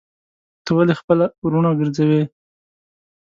ته ولي خپل وروڼه ګرځوې.